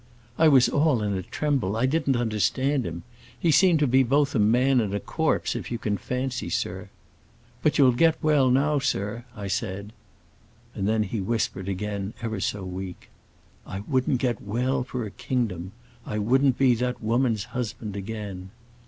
I was all in a tremble; I didn't understand him. He seemed both a man and a corpse, if you can fancy, sir. 'But you'll get well now, sir,' I said. And then he whispered again, ever so weak; 'I wouldn't get well for a kingdom. I wouldn't be that woman's husband again.